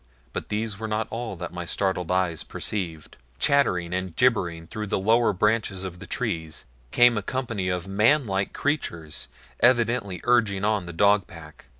But these were not all that my startled eyes perceived. Chattering and gibbering through the lower branches of the trees came a company of manlike creatures evidently urging on the dog pack.